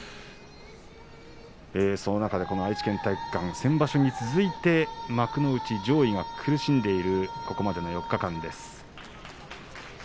愛知県体育館先場所に続いて幕内上位が苦しんでいるここまで７日間。